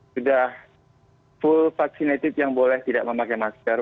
sudah full vaccinated yang boleh tidak memakai masker